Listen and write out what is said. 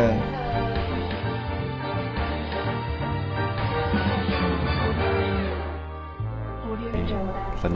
โอ้โหที่มันดอง